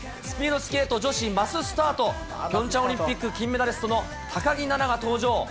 スピードスケート女子マススタート、ピョンチャンオリンピック金メダリストの高木菜那が登場。